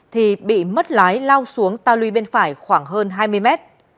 thì bị mất lái lao xuống tà lưu bên phải khoảng hơn hai mươi mét